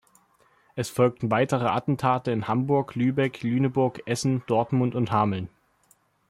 Es folgten weitere Attentate in Hamburg, Lübeck, Lüneburg, Essen, Dortmund und Hameln.